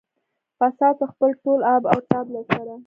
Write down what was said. فساد په خپل ټول آب او تاب سره.